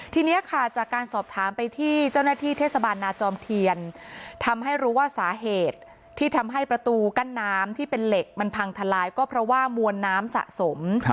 ทีนี้ค่ะจากการสอบถามไปที่เจ้าหน้าที่เทศบาลนาจอมเทียนทำให้รู้ว่าสาเหตุที่ทำให้ประตูกั้นน้ำที่เป็นเหล็กมันพังทลายก็เพราะว่ามวลน้ำสะสม